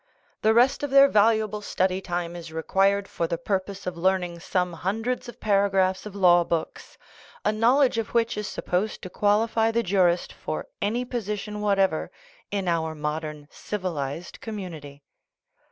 The rest of their valuable study time is required for the purpose of learn ing some hundreds of paragraphs of law books, a knowledge of which is supposed to qualify the jurist for any position whatever in our modern civilized com munity.